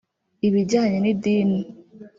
ibijyanye n’idini